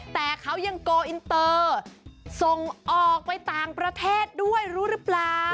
แต่เขายังโกอินเตอร์ส่งออกไปต่างประเทศด้วยรู้หรือเปล่า